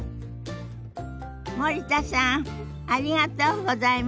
森田さんありがとうございました。